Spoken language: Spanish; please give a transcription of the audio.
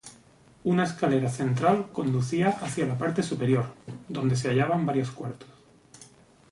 Una escalera central conducía hacia la parte superior, donde se hallaban varios cuartos.